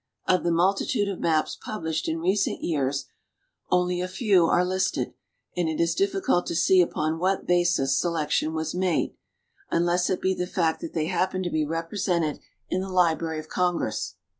Of the multitude of maps published in recent years only a few are listed, and it is difficult to see upon what basis selection was made, unless it be the fact that they happen to be represented in the Library of Congress.